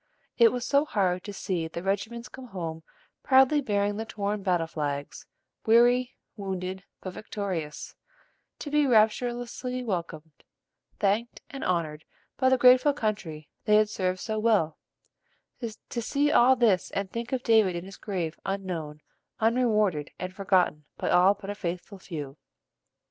It was so hard to see the regiments come home proudly bearing the torn battle flags, weary, wounded, but victorious, to be rapturously welcomed, thanked, and honored by the grateful country they had served so well; to see all this and think of David in his grave unknown, unrewarded, and forgotten by all but a faithful few.